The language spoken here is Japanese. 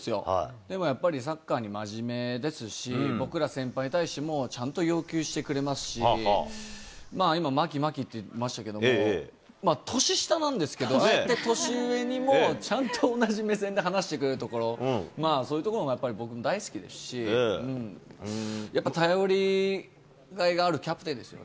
でもやっぱりサッカーに真面目ですし、僕ら先輩に対しても、ちゃんと要求してくれますし、今、マキ、マキっていってましたけれども、年下なんですけど、ああやって年上にも、ちゃんと同じ目線で話してくれるところ、そういうところがやっぱり僕も大好きですし、やっぱり頼りがいがあるキャプテ